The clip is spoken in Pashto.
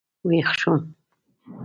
وېښ شوم.